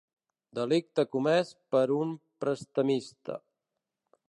Delicte comès per un prestamista.